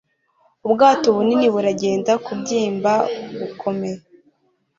Ubwato bunini buragenda Kubyimba gukomeye